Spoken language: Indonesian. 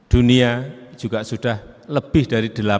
dunia juga sudah lebih dari dua ratus tujuh puluh delapan juta